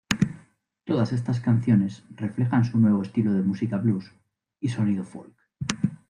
Todas estas canciones reflejan su nuevo estilo de música blues y sonido folk.